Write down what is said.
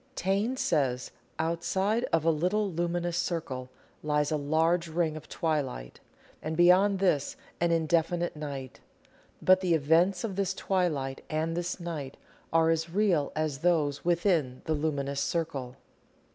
Taine says: "Outside of a little luminous circle, lies a large ring of twilight, and beyond this an indefinite night; but the events of this twilight and this night are as real as those within the luminous circle."